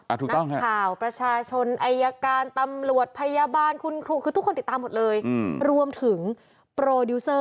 นักข่าวประชาชนอายาการตำรวจพยาบาลคุณครู